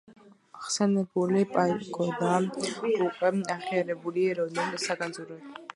ხსენებული პაგოდა უკვე აღიარებულია ეროვნულ საგანძურად.